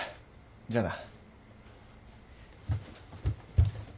じゃあな。